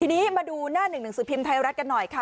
ทีนี้มาดูหน้าหนึ่งหนังสือพิมพ์ไทยรัฐกันหน่อยค่ะ